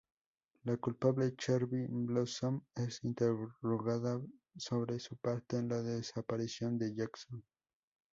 La "culpable" Cheryl Blossom es interrogada sobre su parte en la desaparición de Jason.